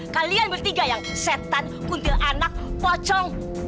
kalian bertiga yang setan kuntil anak pocong